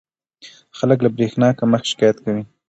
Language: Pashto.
خلک له برېښنا کمښت شکایت کوي.